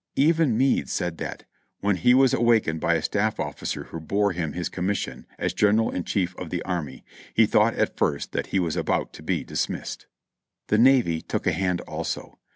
Even Meade said that, "When he was awakened by a staff officer who bore him his commission as general in chief of the army, he thought at first that he was about to be dismissed." The Navy took a hand also.